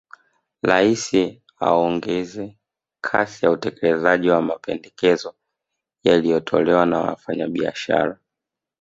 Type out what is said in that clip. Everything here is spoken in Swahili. Rais aongeze kasi ya utekelezaji wa mapendekezo yaliyotolewa na Wafanyabiashara